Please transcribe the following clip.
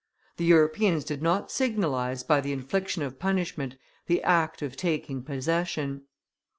The Europeans did not signalize by the infliction of punishment the act of taking possession.